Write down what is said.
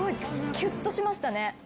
キュッとしましたね。